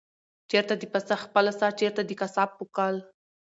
چېرته د پسه خپله ساه، چېرته د قصاب پوکل؟